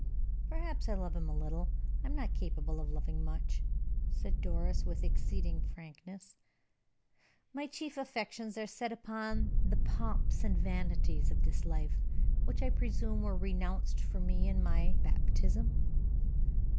"Perhaps I love him a little. I am not capable of loving much," said Doris, with exceeding frankness. "My chief affections are set upon the pomps and vanities of this life, which I presume were renounced for me in my baptism."